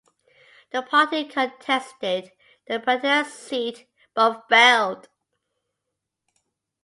The party contested the Patiala seat, but failed.